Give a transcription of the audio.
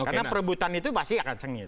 karena perebutan itu pasti akan sengit